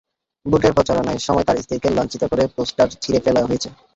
ভোটের প্রচারণার সময় তাঁর স্ত্রীকে লাঞ্ছিত করে পোস্টার ছিঁড়ে ফেলা হয়েছে।